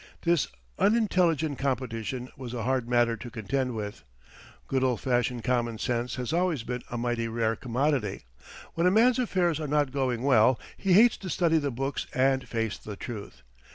This unintelligent competition was a hard matter to contend with. Good old fashioned common sense has always been a mighty rare commodity. When a man's affairs are not going well, he hates to study the books and face the truth.